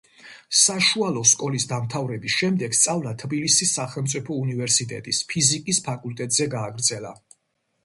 საშუალო სკოლის დამტავრების შემდეგ სწავლა თბილისის სახელმწიფო უნივერსიტეტის ფიზიკის ფაკულტეტზე გააგრძელა.